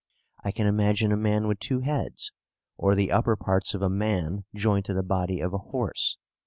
I can imagine a man with two heads, or the upper parts of a man joined to the body of a horse.